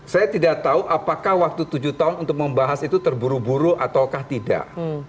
saya tidak tahu apakah waktu tujuh tahun untuk membahas itu terburu buru ataukah tidak